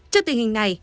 trước tình hình này